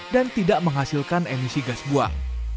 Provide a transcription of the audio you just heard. dan tidak menghasilkan emisi gas buah